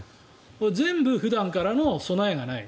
全部、普段からの備えがない。